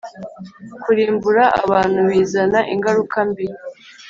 kurimbura abantu bizana ingaruka mbi